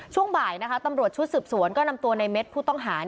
ช่วงบ่ายนะคะตำรวจชุดสืบสวนก็นำตัวในเม็ดผู้ต้องหา